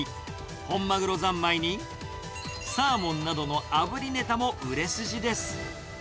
本鮪三昧に、サーモンなどのあぶりネタも売れ筋です。